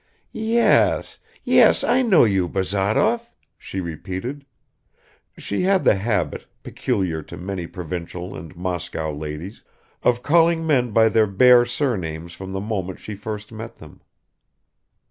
"Yes, yes, I know you, Bazarov," she repeated. (She had the habit peculiar to many provincial and Moscow ladies of calling men by their bare surnames from the moment she first met them.)